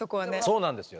そうなんですよ。